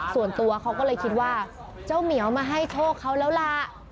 ส่วนตัวเขาก็เลยคิดว่าเจ้าเหมียวมาให้โชคเขาแล้วล่ะ